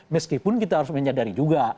meskipun kita harus menyadari juga